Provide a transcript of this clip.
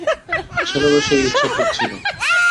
ছেলেরও সেই ইচ্ছে খুব ছিল।